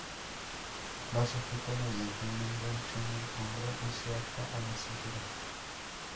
Va sujeto mediante un enganche en el hombro y se ata a la cintura.